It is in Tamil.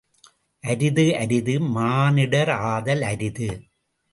அரிது அரிது, மானிடர் ஆதல் அரிது.